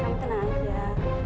kamu tenang aja